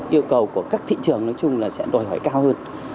yêu cầu của các thị trường nói chung là sẽ đòi hỏi cao hơn